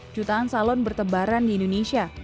jutaan salon bertebaran di indonesia